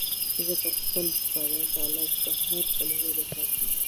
زه پر خپل پخواني کالم پر هره کلمه دفاع کوم.